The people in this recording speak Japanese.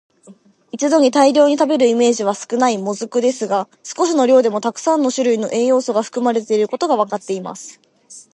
一度に大量に食べるイメージは少ない「もずく」ですが、少しの量でもたくさんの種類の栄養素が含まれていることがわかっています。